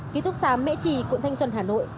ký túc xá mễ trì quận thanh xuân hà nội